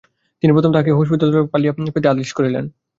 তিনি প্রথমে তাহাকে হস্তীপদতলে ফেলিয়া দিতে আদেশ করিলেন।